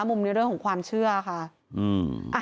มุมในเรื่องของความเชื่อค่ะ